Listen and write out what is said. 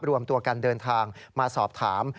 รวมตัวกันเดินทางมาสอบถาม